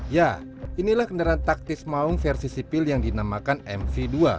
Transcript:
ya inilah kendaraan taktis maung versi sipil yang dinamakan mv dua